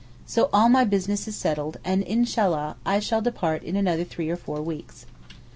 So all my business is settled, and, Inshallah! I shall depart in another three or four weeks.